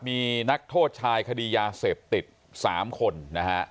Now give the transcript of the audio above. มีนักโทษชายคดียาเสพติด๓คนนะฮะ